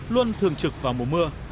luôn thường trực vào mùa mưa